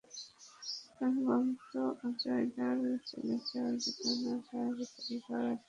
প্রাণবন্ত অজয়দার চলে যাওয়ার বেদনা তাঁর পরিবার, আত্মীয়স্বজন, বন্ধুবান্ধব সবাইকে বইতে হবে।